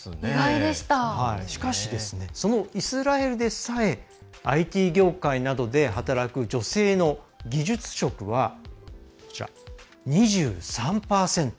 そのイスラエルでさえＩＴ業界などで働く女性の技術職は２３％。